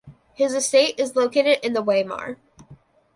His estate is located in the in Weimar.